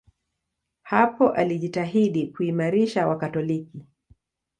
Hapo alijitahidi kuimarisha Wakatoliki.